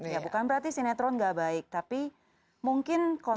ya bukan berarti sinetron tidak baik tapi mungkin konsep